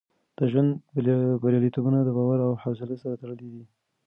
د ژوند بریالیتوب د باور او حوصله سره تړلی دی.